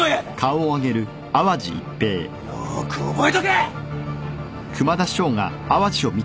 よーく覚えとけ！